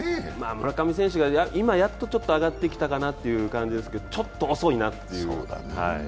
村上選手が、今、やっとちょっと上がってきたかなという感じですがちょっと遅いなっていう。